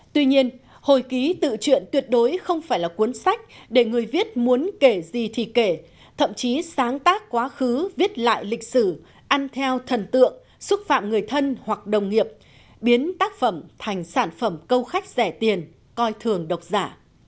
tuy nhiên hồi ký tự chuyện tuyệt đối không phải là cuốn sách để người viết muốn kể gì thì kể thậm chí sáng tác quá khứ viết lại lịch sử ăn theo thần tượng xúc phạm người thân hoặc đồng nghiệp biến tác phẩm thành sản phẩm câu khách rẻ tiền coi thường độc giả